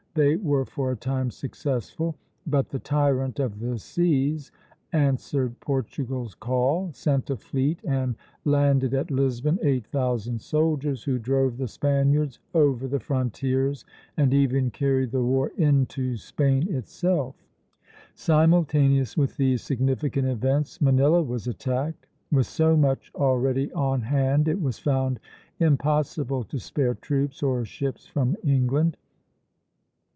They were for a time successful; but the "tyrants of the seas" answered Portugal's call, sent a fleet and landed at Lisbon eight thousand soldiers, who drove the Spaniards over the frontiers, and even carried the war into Spain itself. Simultaneous with these significant events, Manila was attacked. With so much already on hand, it was found impossible to spare troops or ships from England.